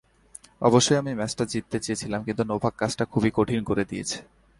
অবশ্যই আমি ম্যাচটা জিততে চেয়েছিলাম কিন্তু নোভাক কাজটা খুবই কঠিন করে দিয়েছে।